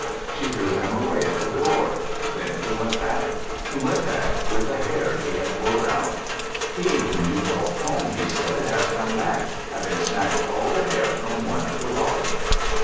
She threw him away at the door. Then he went back. He went back with the hair he had pulled out. "He whom you call 'Comb,'" he said, "has come back, having snatched all the hair from one at the lodge."